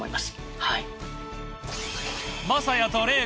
はい。